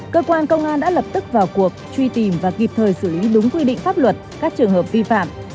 cơ quan công an đã lập tức vào cuộc truy tìm và kịp thời xử lý đúng quy định pháp luật các trường hợp vi phạm